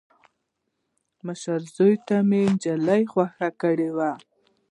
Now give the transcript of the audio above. مشر زوي ته مې انجلۍ خوښه کړې وه.